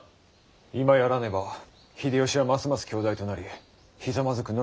今やらねば秀吉はますます強大となりひざまずくのみとなりましょう。